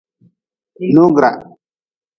Noogriga.